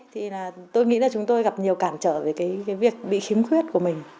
thì tôi nghĩ là chúng tôi gặp nhiều cản trở về cái việc bị khiếm khuyết của mình